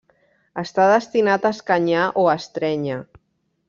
Està destinat a escanyar o estrènyer.